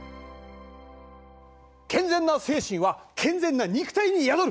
健全な精神は健全な肉体に宿る！